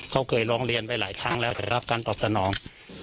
เขาเคยร้องเรียนไปหลายครั้งแล้วแต่รับการตอบสนอง